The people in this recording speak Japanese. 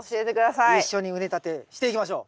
一緒に畝立てしていきましょう。